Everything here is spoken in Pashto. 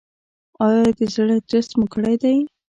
ایا د زړه ټسټ مو کړی دی؟